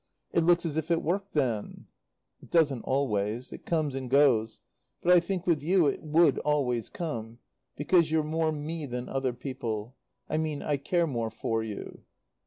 It looks as if it worked, then?" "It doesn't always. It comes and goes. But I think with you it would always come; because you're more me than other people; I mean I care more for you."